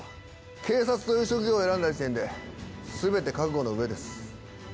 警察という職業を選んだ時点で全て覚悟の上です。